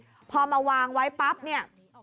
อันนี้พอมาวางไว้ปั๊บเนี่ย